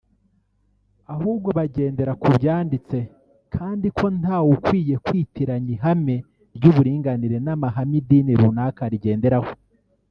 ahubwo bagendera ku byanditse kandi ko nta ukwiye kwitiranya ihame ry’uburinganire n’amahame idini runaka rigenderaho